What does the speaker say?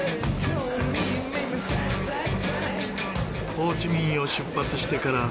ホーチミンを出発してから３時間。